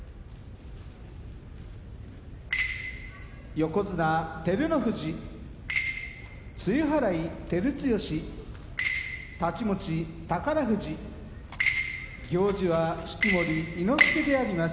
横綱、照ノ富士露払い、照強太刀持ち、宝富士行司は式守伊之助であります。